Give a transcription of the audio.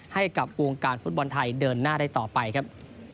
ให้กับวงการฟุตบอลไทยเดินหน้าได้ต่อไปครับ